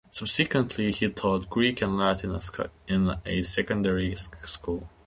Subsequently he taught Greek and Latin in a secondary school.